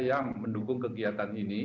jadi saya melihat